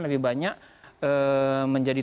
lebih banyak menjadi